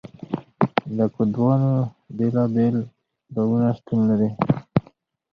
د کدوانو بیلابیل ډولونه شتون لري.